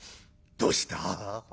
「どうした？